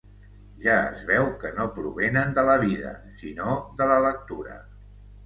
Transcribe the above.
Ja es veu que no provenen de la vida, sinó de la lectura.